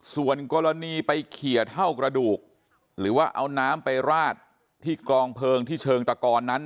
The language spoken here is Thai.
ส่วนกรณีไปเขียเท่ากระดูกหรือว่าเอาน้ำไปราดที่กลองเพลิงที่เชิงตะกอนนั้น